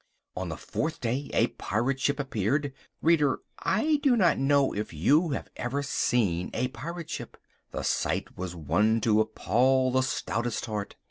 On the fourth day a pirate ship appeared. Reader, I do not know if you have ever seen a pirate ship. The sight was one to appal the stoutest heart.